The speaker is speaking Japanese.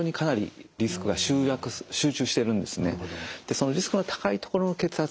そのリスクの高いところの血圧